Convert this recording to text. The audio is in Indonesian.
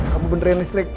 kamu benerin listrik